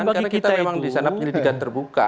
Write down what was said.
karena kita memang di sana penyelidikan terbuka